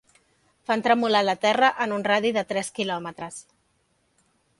Fan tremolar la terra en un radi de tres quilòmetres.